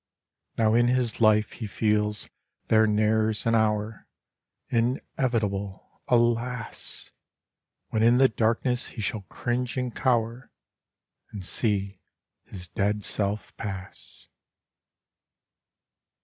Now in his life, he feels, there nears an hour, Inevitable, alas! When in the darkness he shall cringe and cower, And see his dead self pass.